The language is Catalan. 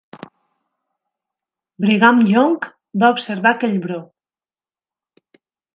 Brigham Young va observar aquell Bro.